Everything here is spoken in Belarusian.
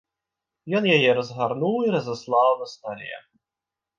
Ён яе разгарнуў і разаслаў на стале.